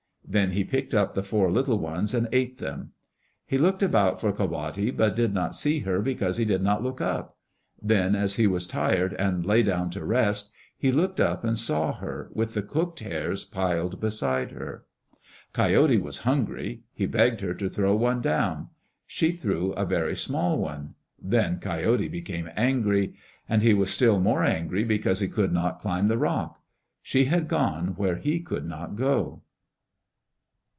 Then he picked up the four little ones and ate them. He looked about for Ka wate but did not see her because he did not look up. Then as he was tired and lay down to rest, he looked up and saw her, with the cooked hares piled beside her. Coyote was hungry. He begged her to throw one down. She threw a very small one. Then Coyote became angry. And he was still more angry because he could not climb the rock. She had gone where he could not go.